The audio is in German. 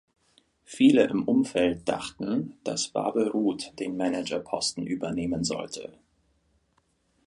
Viele im Umfeld dachten, dass Babe Ruth den Managerposten übernehmen sollte.